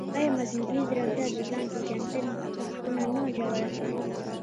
ایا مصنوعي ځیرکتیا د ځان پېژندنې پوښتنه نه ژوره کوي؟